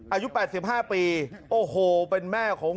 อายุ๘๕ปีโอ้โหเป็นแม่ของ